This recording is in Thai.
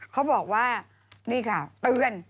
เขาบอกว่านี่ค่ะเตือน